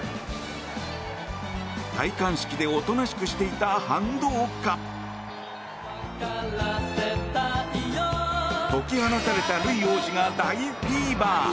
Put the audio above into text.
戴冠式でおとなしくしていた反動か解き放たれたルイ王子が大フィーバー！